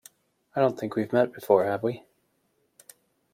I don't think we've met before, have we?